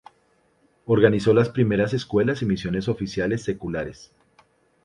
Organizó las primeras escuelas y misiones oficiales seculares.